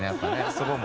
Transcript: そこも。